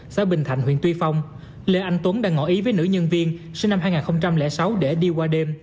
xã bình thạnh huyện tuy phong lê anh tuấn đang ngỏ ý với nữ nhân viên sinh năm hai nghìn sáu để đi qua đêm